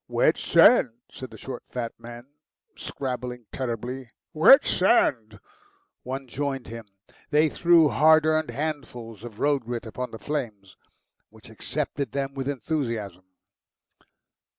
"Wet sand," said the short, fat man, scrabbling terribly "wet sand." One joined him. They threw hard earned handfuls of road grit upon the flames, which accepted them with enthusiasm.